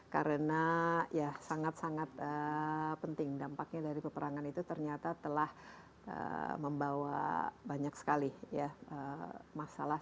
karena ya sangat sangat penting dampaknya dari peperangan itu ternyata telah membawa banyak sekali masalah